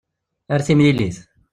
Ar timlilit!